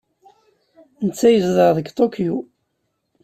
Netta yezdeɣ deg Tokyo.